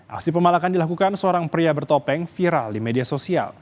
aksi pemalakan dilakukan seorang pria bertopeng viral di media sosial